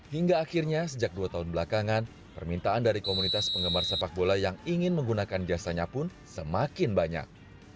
hingga akhirnya sejak dua tahun belakangan permintaan dari komunitas penggemar sepak bola yang ingin menggunakan jasanya pun semakin banyak